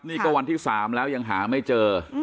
นี่ก็วันที่๓แล้วยังหาไม่เจอ